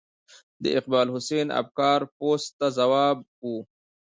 د اقبال حسین افګار پوسټ ته ځواب و.